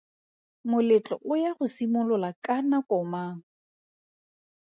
Moletlo o ya go simolola ka nako mang?